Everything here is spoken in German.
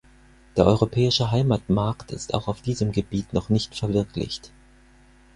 Der europäische Heimatmarkt ist auch auf diesem Gebiet noch nicht verwirklicht.